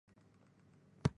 No audio.